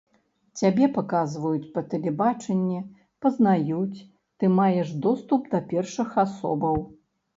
Цябе паказваюць па тэлебачанні, пазнаюць, ты маеш доступ да першых асобаў.